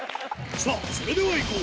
さあ、それではいこう。